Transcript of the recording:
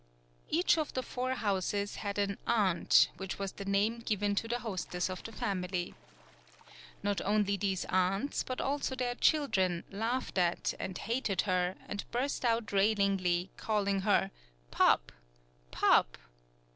Each of the four houses had an "aunt," which was the name given to the hostess of the family. Not only these aunts, but also their children, laughed at and hated her and burst out railingly, calling her "Pup, pup."